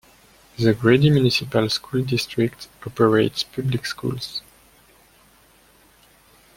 The Grady Municipal School District operates public schools.